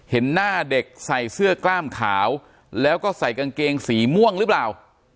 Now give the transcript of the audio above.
เห็นหน้าเด็กใส่เสื้อกล้ามขาวแล้วก็ใส่กางเกงสีม่วงหรือเปล่า